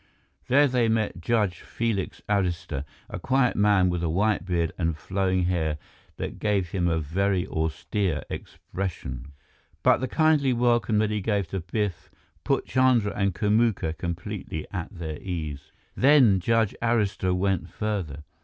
There they met Judge Felix Arista, a quiet man with a white beard and flowing hair that gave him a very austere expression. But the kindly welcome that he gave to Biff put Chandra and Kamuka completely at their ease. Then Judge Arista went further.